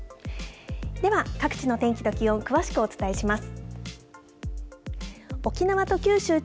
では、各地の天気と気温、詳しくお伝えします。